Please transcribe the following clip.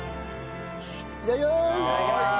いただきます！